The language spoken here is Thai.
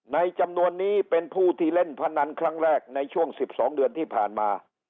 จำนวนนี้เป็นผู้ที่เล่นพนันครั้งแรกในช่วง๑๒เดือนที่ผ่านมา